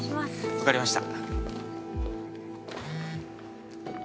わかりました。